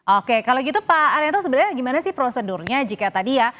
oke kalau gitu pak arianto sebenarnya gimana sih prosedurnya jika tadi ya